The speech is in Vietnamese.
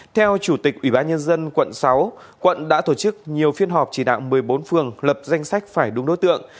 theo chủ tịch ủy ban nhân dân quận sáu quận đã tổ chức nhiều phiên họp chỉ đạo một mươi bốn phường lập danh sách phải đúng đối tượng